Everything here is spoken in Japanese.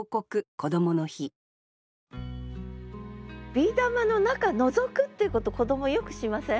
ビー玉の中のぞくっていうこと子どもよくしません？